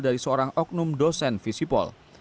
dari seorang oknum dosen visipol